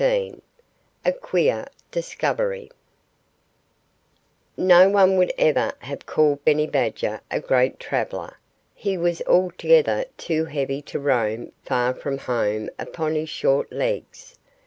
XIV A QUEER DISCOVERY No one would ever have called Benny Badger a great traveller. He was altogether too heavy to roam far from home upon his short legs.